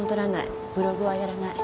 ブログはやらない。